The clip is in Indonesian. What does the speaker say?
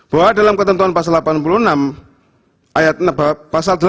bahwa dalam ketentuan pasal delapan puluh enam